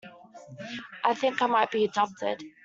I think I might be adopted.